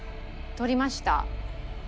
取りました？